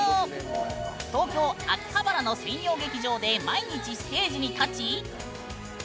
東京・秋葉原の専用劇場で毎日ステージに立ち。